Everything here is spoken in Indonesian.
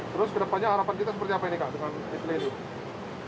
terus kedepannya harapan kita seperti apa ini kak dengan ini